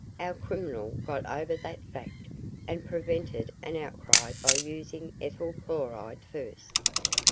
Our criminal got over that fact and prevented an outcry by using ethyl chloride first.